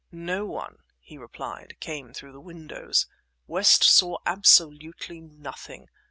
"No one," he replied, "came through the windows. West saw absolutely nothing.